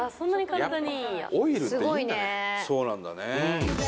そうなんだね。